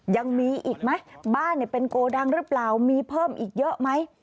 ยังมีอีกไหมบ้านเป็นโกดังหรือเปล่ามีเพิ่มอีกเยอะไหม